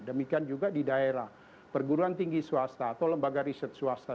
demikian juga di daerah perguruan tinggi swasta atau lembaga riset swasta